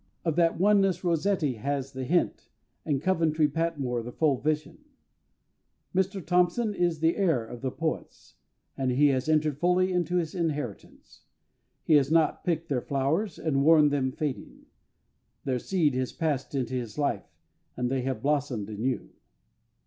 Of that oneness ROSSETTI has the hint, and COVENTRY PATMORE the full vision. Mr THOMPSON is the heir of the poets, and he has entered fully into his inheritance. He has not picked their flowers and worn them fading; their seed has passed into his life, and they have blossomed anew.